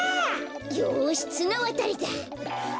よしつなわたりだ。